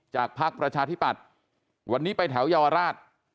จากภาคประชาธิบัติวันนี้ไปแถวเยาวราช